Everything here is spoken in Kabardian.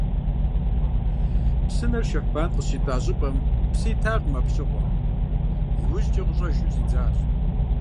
Псынэр Шэхьбан къыщитӀа щӀыпӀэм псы итакъым абы щыгъуэм, иужькӀэ къыщӀэжу щӀидзащ.